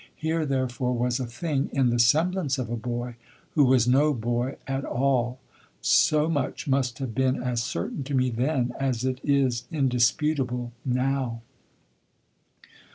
Here, therefore, was a thing in the semblance of a boy who was no boy at all. So much must have been as certain to me then as it is indisputable now.